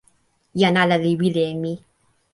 jan ala li wile e mi.